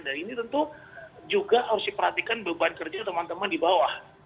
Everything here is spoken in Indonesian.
dan ini tentu juga harus diperhatikan beban kerja teman teman di bawah